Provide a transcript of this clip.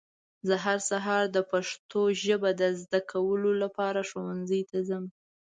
زه هر سهار د پښتو ژبه د ذده کولو لپاره ښونځي ته ځم.